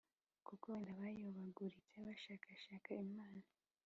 kuko wenda bayobaguritse bashakashaka Imana,